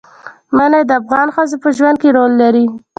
منی د افغان ښځو په ژوند کې رول لري.